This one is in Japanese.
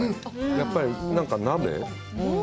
やっぱり鍋？